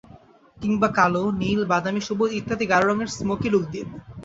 কিংবা কালো, নীল, বাদামি, সবুজ ইত্যাদি গাঢ় রঙের স্মোকি লুক দিন।